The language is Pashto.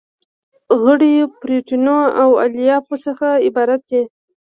غوړیو پروتینونو او الیافو څخه عبارت دي.